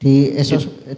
di tempat yang lain